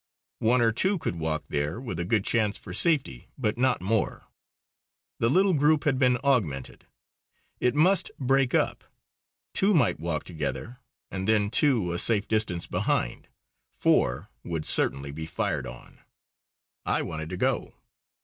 One or two could walk there with a good chance for safety, but not more. The little group had been augmented. It must break up; two might walk together, and then two a safe distance behind. Four would certainly be fired on. I wanted to go.